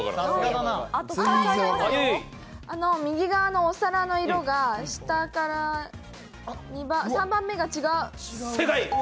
右側のお皿の色が下から３番目が違う。